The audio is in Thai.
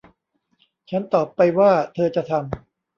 ฉันตอบไปว่าเธอจะทำ